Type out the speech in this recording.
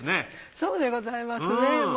そうでございますね。